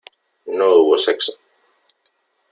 no hubo sexo .